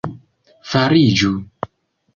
fariĝu